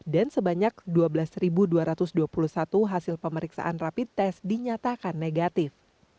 dan sebanyak dua belas dua ratus dua puluh satu hasil pemeriksaan rapid test dinyatakan negatif